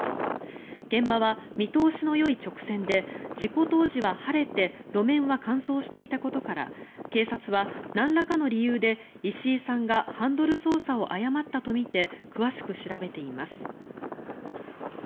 現場は見通しのよい直線で事故当時は晴れて路面は乾燥していたことから警察はなんらかの理由で石井さんがハンドル操作を誤ったとみて詳しく調べています。